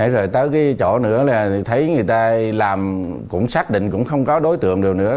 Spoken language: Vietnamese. rồi tới cái chỗ nữa là thấy người ta làm cũng xác định cũng không có đối tượng điều nữa